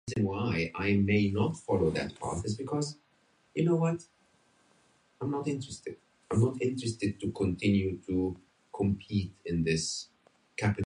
He works primarily in wood.